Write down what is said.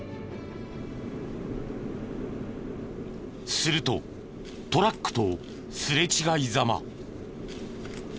するとトラックとすれ違いざま。